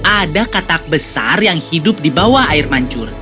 ada katak besar yang hidup di bawah air mancur